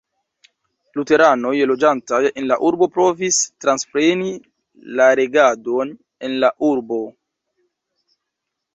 Luteranoj loĝantaj en la urbo provis transpreni la regadon en la urbo.